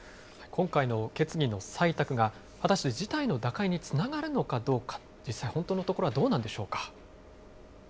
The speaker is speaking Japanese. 今回の決議の採択が、果たして事態の打開につながるのかどうか、実際、本当のところはどうなんでしょうか。